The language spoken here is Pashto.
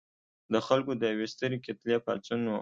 د خلکو د یوې سترې کتلې پاڅون و.